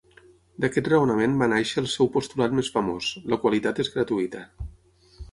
D'aquest raonament va néixer el seu postulat més famós: la qualitat és gratuïta.